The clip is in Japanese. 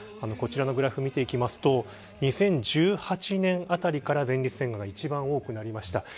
こちらのグラフを見ていくと２０１８年あたりから前立腺がんが一番多くなりました。